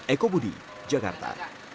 eko budi jakarta